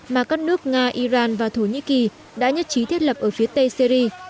mà các nước nga iran và thổ nhĩ kỳ đã nhất trí thiết lập ở phía tây syri